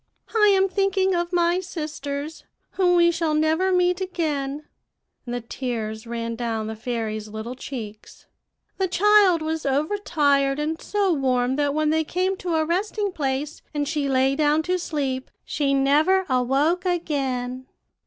"'I am thinking of my sisters, whom we shall never meet again;' and the tears ran down the fairy's little cheeks. 'The child was overtired, and so warm that when they came to a resting place, and she lay down to sleep, she never awoke again.